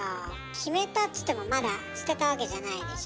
決めたっつってもまだ捨てたわけじゃないでしょ